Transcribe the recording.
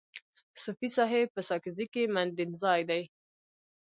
صوفي صاحب په ساکزی کي مندینزای دی.